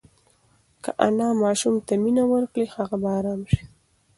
که انا ماشوم ته مینه ورکړي، هغه به ارام شي.